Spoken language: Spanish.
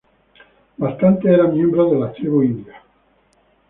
Bastantes eran miembros de tribus indias.